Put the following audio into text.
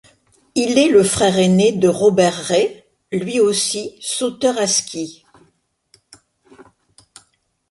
Il est le frère aîné de Robert Rey, lui aussi sauteur à ski.